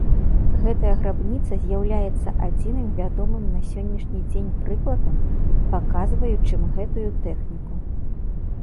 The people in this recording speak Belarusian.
Гэтая грабніца з'яўляецца адзіным вядомым на сённяшні дзень прыкладам, паказваючым гэтую тэхніку.